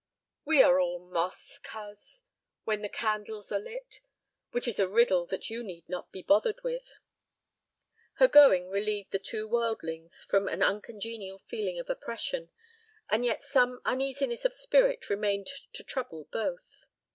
"We are all moths, coz, when the candles are lit. Which is a riddle that you need not be bothered with." Her going relieved the two worldlings from an uncongenial feeling of oppression, and yet some uneasiness of spirit remained to trouble both.